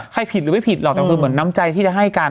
ผิดหรือไม่ผิดหรอกแต่คือเหมือนน้ำใจที่จะให้กัน